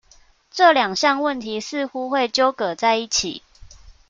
這兩項問題似乎會糾葛在一起